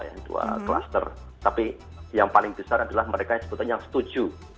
yang pertama adalah yang paling besar adalah mereka yang setuju